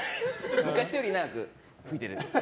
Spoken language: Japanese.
昔より長く拭いてる。